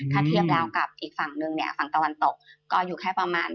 ถ้าเทียบแล้วกับอีกฝั่งนึงเนี่ยฝั่งตะวันตกก็อยู่แค่ประมาณ